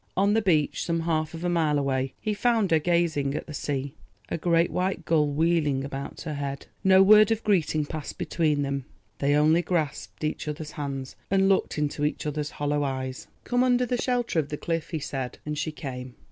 On the beach, some half of a mile away, he found her gazing at the sea, a great white gull wheeling about her head. No word of greeting passed between them; they only grasped each other's hands and looked into each other's hollow eyes. "Come under the shelter of the cliff," he said, and she came.